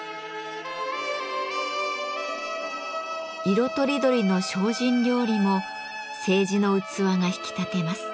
色とりどりの精進料理も青磁の器が引き立てます。